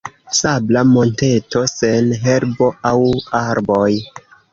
Sabla monteto sen herbo aŭ arboj.